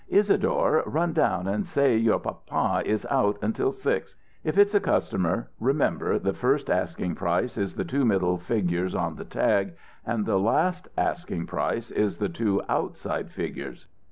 "Isadore, run down and say your papa is out until six. If it's a customer, remember the first asking price is the two middle figures on the tag, and the last asking price is the two outside figures.